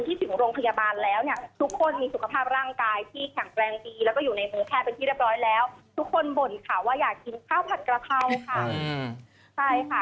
ถึงโรงพยาบาลแล้วเนี่ยทุกคนมีสุขภาพร่างกายที่แข็งแรงดีแล้วก็อยู่ในมือแพทย์เป็นที่เรียบร้อยแล้วทุกคนบ่นค่ะว่าอยากกินข้าวผัดกระเพราค่ะใช่ค่ะ